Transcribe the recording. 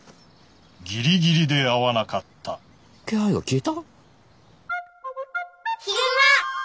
ギリギリで会わなかった気配が消えた？悲熊。